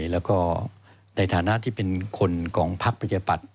แล้วก็ในฐานะที่เป็นคนของพักประชาปัตย